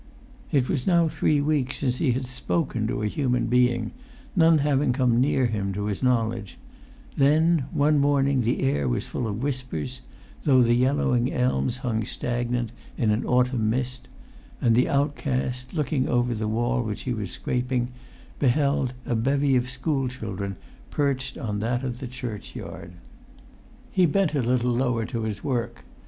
It was now three weeks since he had spoken to a human being, none having come near him to his knowledge; then one morning the air was full of whispers, though the yellowing elms hung stagnant in an autumn mist; and the outcast, looking over the wall which he was scraping, beheld a bevy of school children perched on that of the churchyard. He bent a little lower to his work.